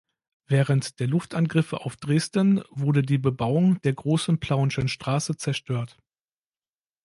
Während der Luftangriffe auf Dresden wurde die Bebauung der Großen Plauenschen Straße zerstört.